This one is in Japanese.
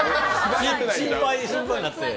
心配で心配になって。